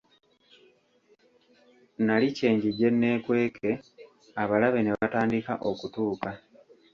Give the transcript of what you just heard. Nali kyenjije nneekweke, abalabe ne batandika okutuuka.